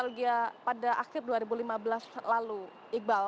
saya juga memiliki nostalgia pada akhir dua ribu lima belas lalu iqbal